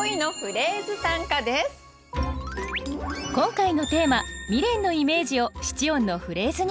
題して今回のテーマ「未練」のイメージを七音のフレーズに。